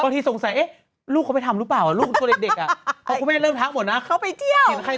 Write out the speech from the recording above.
โต้ไม่ทำรู้เปล่าลูกตัวแดกอ่ะพอคุณแม่เริ่มทั้งหมดนะเข้าไปเที่ยวใคร